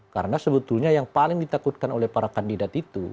karena sebetulnya yang paling ditakutkan oleh para kandidat itu